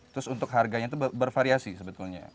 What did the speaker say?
terus untuk harganya itu bervariasi sebetulnya